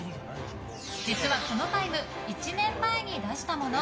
実は、このタイム１年前に出したもの。